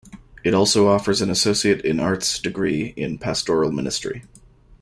It also offers an Associate in Arts degree in Pastoral Ministry.